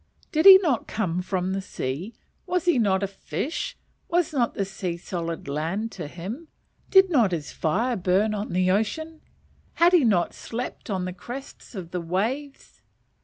"'Did he not come from the sea?' Was he not a fish? Was not the sea solid land to him? Did not his fire burn on the ocean? Had he not slept on the crests of the waves?"